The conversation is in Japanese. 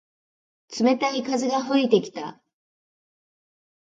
冷たい風が吹いてきた。